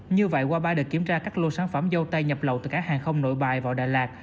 như vậy qua ba đợt kiểm tra các lô sản phẩm dâu tây nhập lậu từ cảng hàng không nội bài vào đà lạt